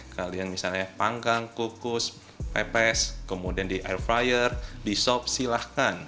kalian misalnya panggang kukus pepes kemudian di air fryer di sop silahkan